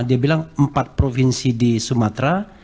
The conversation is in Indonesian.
dia bilang empat provinsi di sumatera